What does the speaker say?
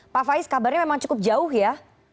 pak faiz kabarnya memang cukup jauh ya